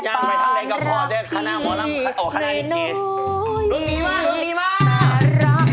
ยังไม่ทักใดกับพอด้วยโอเคราะห์นิดที